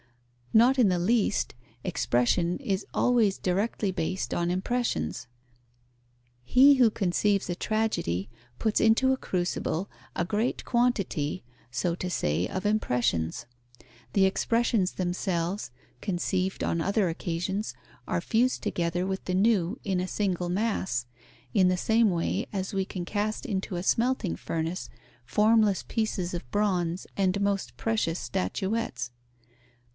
Not in the least: expression is always directly based on impressions. He who conceives a tragedy puts into a crucible a great quantity, so to say, of impressions: the expressions themselves, conceived on other occasions, are fused together with the new in a single mass, in the same way as we can cast into a smelting furnace formless pieces of bronze and most precious statuettes.